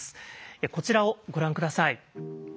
こちらをご覧下さい。